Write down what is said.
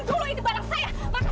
turun dulu itu barang saya jatuh